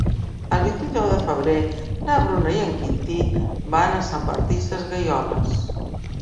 El vint-i-nou de febrer na Bruna i en Quintí van a Sant Martí Sesgueioles.